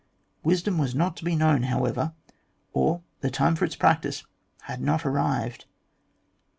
Wisdom was not to be known however, or the time for its practice had not arrived.